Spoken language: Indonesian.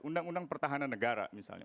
undang undang pertahanan negara misalnya